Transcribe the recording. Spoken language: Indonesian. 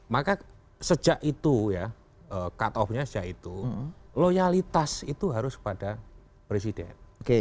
maka sejak itu ya cut off nya sejak itu loyalitas itu harus pada presiden